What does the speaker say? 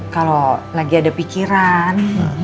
kalau lagi ada pikiran